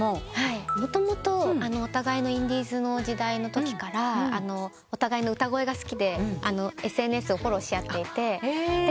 もともとお互いのインディーズの時代のときからお互いの歌声が好きでＳＮＳをフォローし合っていて。